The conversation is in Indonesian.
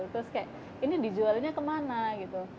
terus kayak ini dijualnya kemana gitu